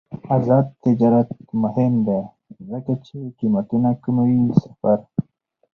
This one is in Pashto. آزاد تجارت مهم دی ځکه چې قیمتونه کموي سفر.